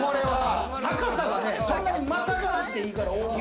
高さがね、そんなにまたがなくていいから。